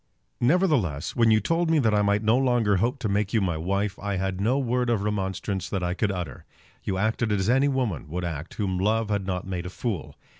Nevertheless, when you told me that I might no longer hope to make you my wife, I had no word of remonstrance that I could utter. You acted as any woman would act whom love had not made a fool.